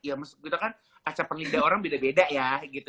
ya maksudnya kita kan aca pengindah orang beda beda ya gitu